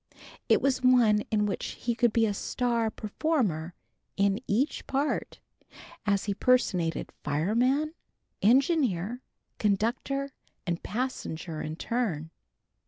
It was one in which he could be a star performer in each part, as he personated fireman, engineer, conductor and passenger in turn.